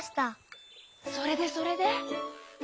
それでそれで？